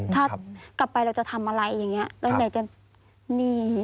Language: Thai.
ถ้ากลับไปเราจะทำอะไรอย่างเงี้ยตั้งแต่จะหนี้